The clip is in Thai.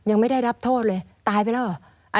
ยังไม่ได้รับโทษเลยตายไปแล้วเหรอ